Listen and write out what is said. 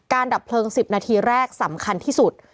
ดับเพลิง๑๐นาทีแรกสำคัญที่สุด